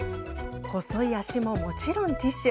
細い脚ももちろんティッシュ。